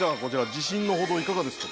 自信のほどいかがですか？